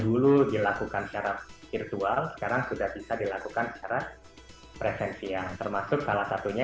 dulu dilakukan secara virtual sekarang sudah bisa dilakukan secara presensial termasuk salah satunya